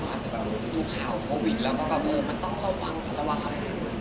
เขาอาจจะดูข่าวโควิดแล้วก็บอกว่ามันต้องระวังระวังอะไรอย่างนี้